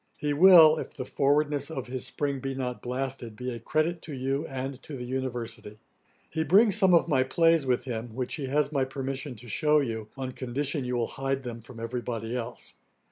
He will, if the forwardness of his spring be not blasted, be a credit to you, and to the University. He brings some of my plays with him, which he has my permission to shew you, on condition you will hide them from every body else.